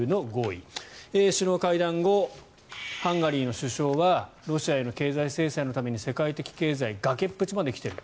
首脳会談後ハンガリーの首相はロシアへの経済制裁のために世界的経済崖っぷちまで来ている。